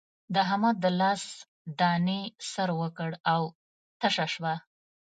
د احمد د لاس دانې سر وکړ او تشه شوه.